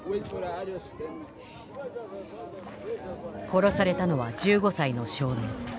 殺されたのは１５歳の少年。